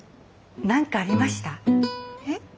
何かありました？え？